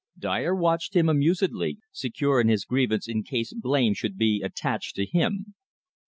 Dyer watched him amusedly, secure in his grievance in case blame should be attached to him.